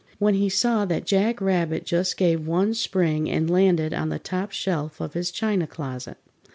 When he saw that Jack Rabbit just gave one spring and landed on the top shelf of his china closet.